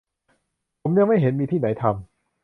ผมยังไม่เห็นมีที่ไหนทำ